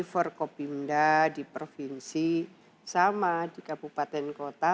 forkopimda di provinsi sama di kabupaten kota